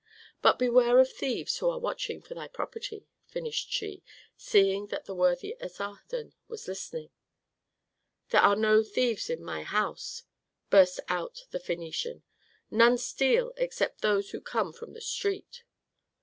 "But beware of thieves who are watching for thy property," finished she, seeing that the worthy Asarhadon was listening. "There are no thieves in my house!" burst out the Phœnician. "None steal except those who come from the street."